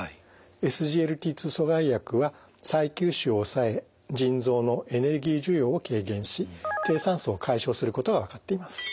２阻害薬は再吸収を抑え腎臓のエネルギー需要を軽減し低酸素を解消することが分かっています。